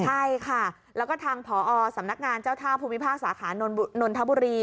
ใช่ค่ะแล้วก็ทางผอสำนักงานเจ้าท่าภูมิภาคสาขานนทบุรี